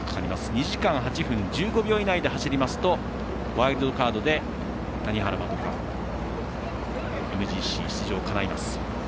２時間８分１５秒以内で走りますと、ワイルドカードで谷原先嘉、ＭＧＣ出場かないます。